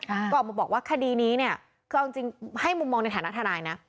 ก็ออกมาบอกว่าคดีนี้เนี่ยคือเอาจริงให้มุมมองในฐานะทนายนะ